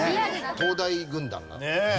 東大軍団がＢ。